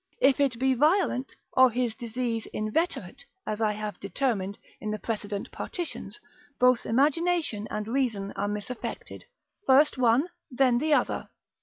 If it be violent, or his disease inveterate, as I have determined in the precedent partitions, both imagination and reason are misaffected, first one, then the other.